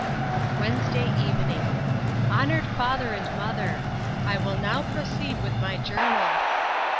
Wednesday evening. HONOURED FATHER AND MOTHER! I will now proceed with my journal.